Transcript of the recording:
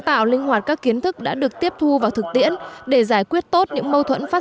tạo linh hoạt các kiến thức đã được tiếp thu vào thực tiễn để giải quyết tốt những mâu thuẫn phát